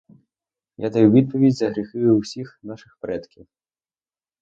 Я даю відповідь за гріхи всіх наших предків.